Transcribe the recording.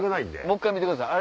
もう１回見てください